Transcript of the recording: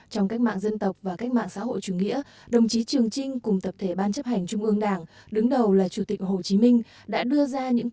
trong cách mạng dân tộc và cách mạng xã hội chủ nghĩa đồng chí trường trinh cùng tập thể ban chấp hành trung ương đảng đứng đầu là chủ tịch hồ chí minh